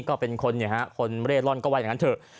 คนเรศล่อนก็ไว้อย่างนั้นเถอะ